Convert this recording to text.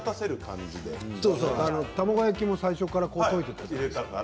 卵焼きも最初から溶いていたでしょう？